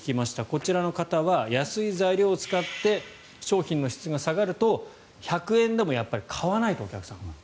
こちらの方は安い材料を使って商品の質が下がると１００円でもやっぱり買わないとお客さんは。